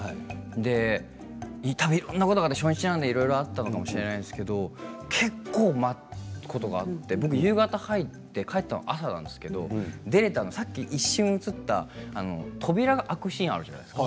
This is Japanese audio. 初日なのでいろいろあったのかもしれないんですけど結構待つことがあって僕は夕方入って帰ったのは朝なんですけど出ていたのは、さっき一瞬映った扉が開くシーンがあるじゃないですか。